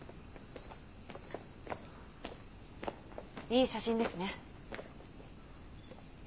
いい写真ですね。